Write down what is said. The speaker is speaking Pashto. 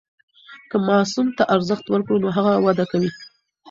که ماسوم ته ارزښت ورکړو نو هغه وده کوي.